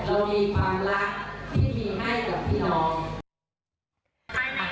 เรามีความรักที่มีให้กับพี่น้อง